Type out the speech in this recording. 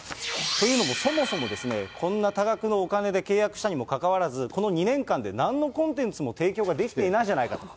というのも、そもそもこんな多額のお金で契約したにもかかわらず、この２年間でなんのコンテンツも提供ができていないじゃないかと。